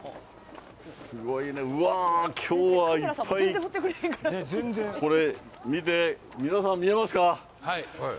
すごいね、うわー、きょうはいっぱい。これ見て、皆さん、見えますか。